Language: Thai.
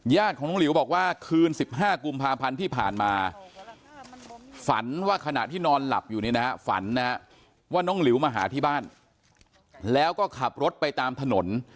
ญาติของน้องหลิวบอกว่าคืน๑๕กุมภาพันธ์ที่ผ่านมาฝันว่าขณะที่นอนหลับอยู่นี่นะฮะฝันนะว่าน้องหลิวมาหาที่บ้านแล้วก็ขับรถไปตามถนน